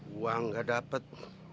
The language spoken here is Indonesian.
uang gak dapet